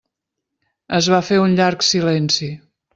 Es va fer un llarg silenci.